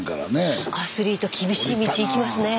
スタジオアスリート厳しい道行きますねえ。